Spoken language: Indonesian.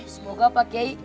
semoga pak kiai